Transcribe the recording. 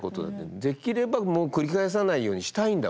できればもう繰り返さないようにしたいんだ私たちはって。